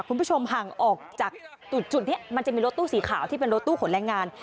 คุณผู้ชมห่างออกจากจุดนี้มันจะมีรถตู้สีขาวที่เป็นรถตู้ขนแรงงาน